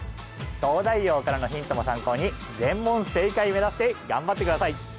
東大王からのヒントも参考に全問正解目指して頑張ってください